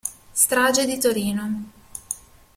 Strage di Torino